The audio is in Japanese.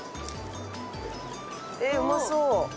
えっうまそう！